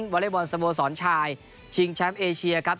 อเล็กบอลสโมสรชายชิงแชมป์เอเชียครับ